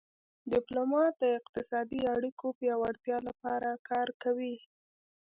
ډیپلومات د اقتصادي اړیکو پیاوړتیا لپاره کار کوي